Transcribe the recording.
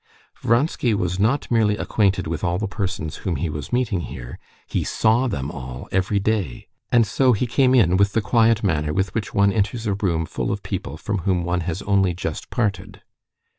Vronsky was not merely acquainted with all the persons whom he was meeting here; he saw them all every day; and so he came in with the quiet manner with which one enters a room full of people from whom one has only just parted.